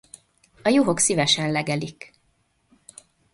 A juhok szívesen legelik.